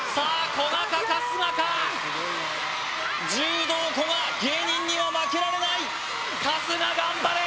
古賀か春日か柔道・古賀芸人には負けられない春日頑張れ！